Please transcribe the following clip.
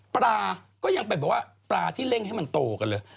ปลาก็ยังไปบอกว่าปลาที่เร่งให้มันโตกันเลย